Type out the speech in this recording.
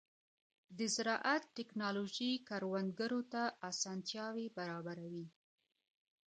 د زراعت ټیکنالوژي کروندګرو ته اسانتیاوې برابروي.